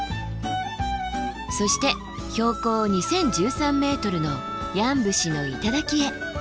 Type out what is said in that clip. そして標高２，０１３ｍの山伏の頂へ。